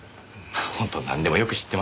本当なんでもよく知ってますね。